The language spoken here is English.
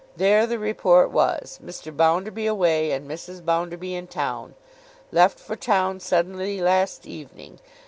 There, the report was, Mr. Bounderby away, and Mrs. Bounderby in town. Left for town suddenly last evening.